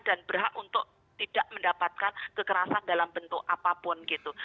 dan berhak untuk tidak mendapatkan kekerasan dalam bentuk apapun gitu